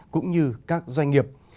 cũng như các doanh nghiệp